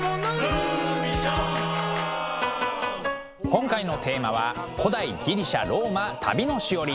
今回のテーマは「古代ギリシャ・ローマ旅のしおり」。